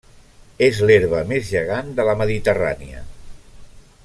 És l'herba més gegant de la Mediterrània.